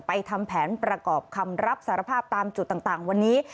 ทำแผนประกอบคำรับสารภาพตามจุดต่างวันนี้